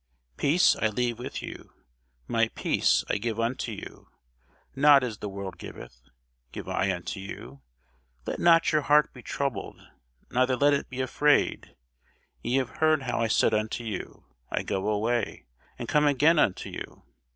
Peace I leave with you, my peace I give unto you: not as the world giveth, give I unto you. Let not your heart be troubled, neither let it be afraid. Ye have heard how I said unto you, I go away, and come again unto you.